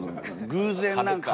偶然何か？